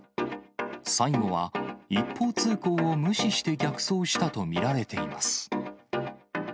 最後は一方通行を無視して逆走したと見られています。